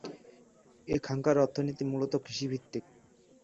এখানকার অর্থনীতি মূলত কৃষিভিত্তিক।